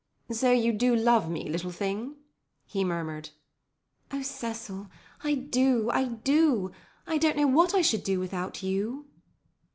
"So you do love me, little thing?" he murmured. "Oh, Cecil, I do, I do! I don't know what I should do without you."